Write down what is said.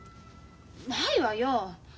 ないわよ。